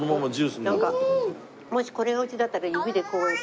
もしこれがうちだったら指でこうやって全部飲みたい。